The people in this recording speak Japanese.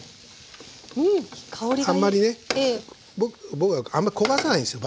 僕はあんまり焦がさないんですよ